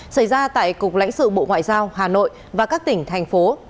xảy ra tại cục lãnh sự bộ ngoại giao hà nội và các tỉnh thành phố